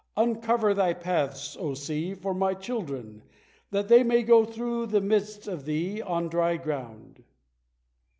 Uncover thy paths, O sea, for My children, that they may go through the midst of thee on dry ground.'"